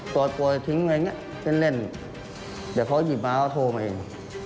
ปล่อยปล่อยทิ้งอะไรอย่างนี้เล่นเดี๋ยวเขาหยิบมาเขาโทรมาเอง